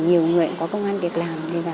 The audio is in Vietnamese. nhiều người có công an việc làm